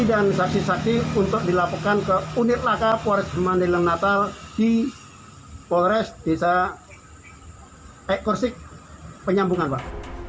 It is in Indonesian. taksi saksi untuk dilakukan ke unit lantas di polres desa ekkorsik penyambungan pak